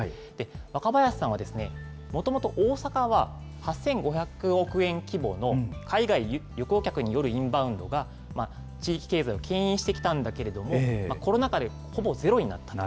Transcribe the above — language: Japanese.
若林さんは、もともと大阪は、８５００億円規模の海外旅行客によるインバウンドが地域経済をけん引してきたんだけれども、コロナ禍でほぼゼロになったと。